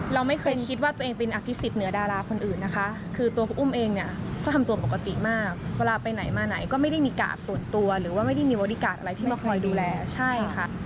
เราไม่เคยคิดว่าตัวเองเป็นอภิษฎเหนือดาราคนอื่นนะคะคือตัวคุณอุ้มเองเนี่ยก็ทำตัวปกติมากเวลาไปไหนมาไหนก็ไม่ได้มีกาดส่วนตัวหรือว่าไม่ได้มีบอดี้การ์ดอะไรที่มาคอยดูแลใช่ค่ะ